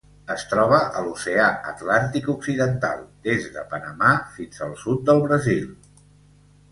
Es troba a l'Oceà Atlàntic occidental: des de Panamà fins al sud del Brasil.